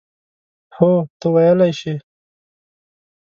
هو، ته ویلای شې.